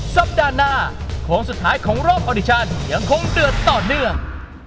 สัปดาห์หน้าโค้งสุดท้ายของรอบออดิชันยังคงเดือดต่อเนื่อง